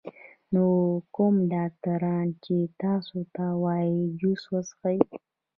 نو کوم ډاکټران چې تاسو ته وائي جوس څښئ